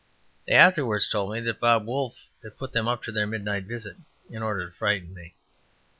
They afterwards told me that Bob Wolfe had put them up to their midnight visit in order to frighten me.